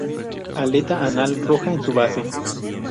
Aleta anal roja en su base.